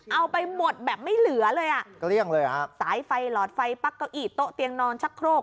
เอาไปหมดแบบไม่เหลือเลยอ่ะสายไฟหลอดไฟปักเก้าอีดโต๊ะเตียงนอนชักโครก